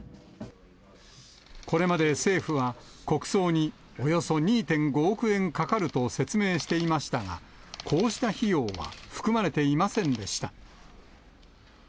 これまで政府は、国葬におよそ２．５億円かかると説明していましたが、こうしたひようは含まれていませんでした。